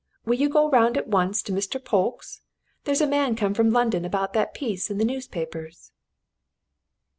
Will you go round at once to Mr. Polke's? There's a man come from London about that piece in the newspapers."